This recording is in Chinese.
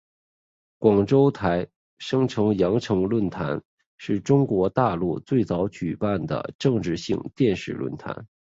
广州台声称羊城论坛是中国大陆最早举办的政论性电视论坛。